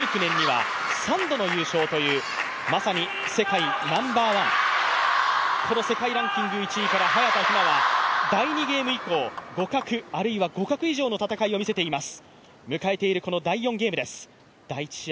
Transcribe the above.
ワールドツアー２０１９年には３度の優勝というまさに世界ナンバーワン、この世界ランキング１位から早田ひなは第２ゲーム以降、互角、あるいは互角以上の戦いを見せています。